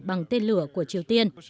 bằng tên lửa của triều tiên